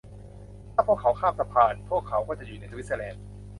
ถ้าพวกเขาข้ามสะพาน พวกเขาก็จะอยู่ในสวิสเซอร์แลนด์